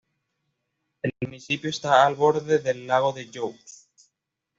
El municipio está al borde del lago de Joux.